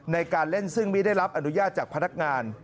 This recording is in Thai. ในการเล่นซึ่งไม่ได้รับอนุญาตจากพนักงาน